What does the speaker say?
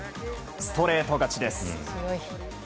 ストレート勝ちです。